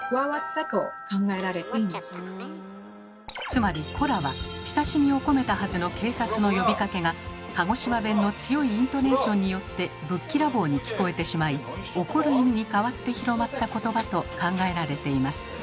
つまり「コラ」は親しみを込めたはずの警察の呼びかけが鹿児島弁の強いイントネーションによってぶっきらぼうに聞こえてしまい怒る意味に変わって広まった言葉と考えられています。